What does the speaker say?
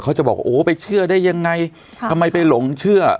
เขาจะบอกโอ้ไปเชื่อได้ยังไงทำไมไปหลงเชื่อ